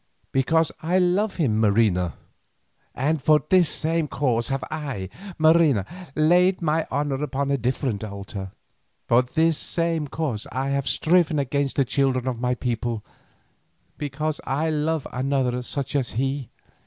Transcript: "Because I love him, Marina." "And for this same cause have I, Marina, laid my honour upon a different altar, for this same cause I have striven against the children of my people, because I love another such as he.